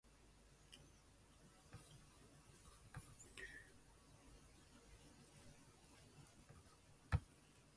Kouroussa was administered as part of the "Siguiri Cercle", which also included Kankan.